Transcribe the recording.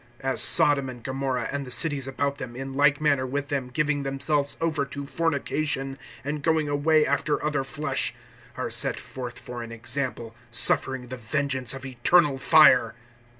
(7)As Sodom and Gomorrah, and the cities about them, in like manner with them giving themselves over to fornication, and going away after other flesh, are set forth for an example, suffering the vengeance of eternal fire.